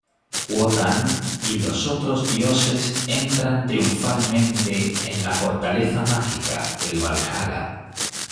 Wotan y los otros dioses entran triunfalmente en la fortaleza mágica, el Walhalla.